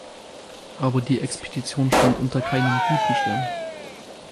Aber die Expedition stand unter keinem guten Stern.